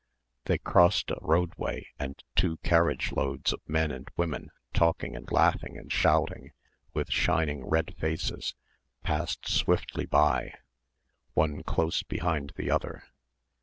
They crossed a roadway and two carriage loads of men and women talking and laughing and shouting with shining red faces passed swiftly by, one close behind the other.